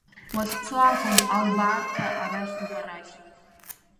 Уахьцо акәым, албаарҭа арахьоуп, арахь.